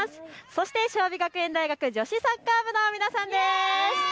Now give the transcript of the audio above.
そして尚美学園大学の女子サッカー部の皆さんです。